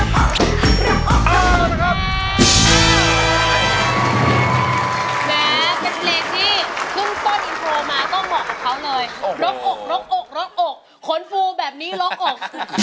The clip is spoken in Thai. แม้เป็นเพลงที่เพิ่งต้นอินโทรมาก็เหมาะกับเขาเลยรกอกนกอกรกอกขนฟูแบบนี้ล็อกอก